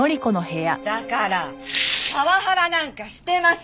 だからパワハラなんかしてません！